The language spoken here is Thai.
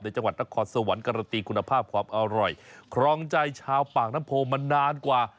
จังหวัดนครสวรรค์การันตีคุณภาพความอร่อยครองใจชาวปากน้ำโพมานานกว่า